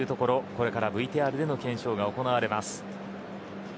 これからＶＴＲでの検証が行われます。